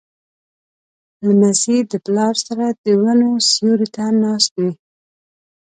لمسی د پلار سره د ونو سیوري ته ناست وي.